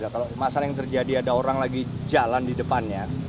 kalau masalah yang terjadi ada orang lagi jalan di depannya